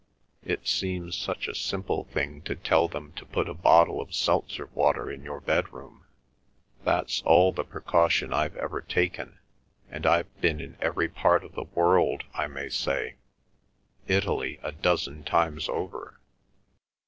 It seems such a simple thing to tell them to put a bottle of Seltzer water in your bedroom. That's all the precaution I've ever taken, and I've been in every part of the world, I may say—Italy a dozen times over.